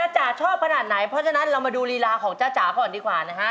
จ๋าชอบขนาดไหนเพราะฉะนั้นเรามาดูลีลาของจ้าจ๋าก่อนดีกว่านะฮะ